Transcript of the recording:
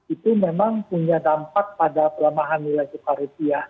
itu memang punya dampak pada kelemahan nilai tukar ke pihak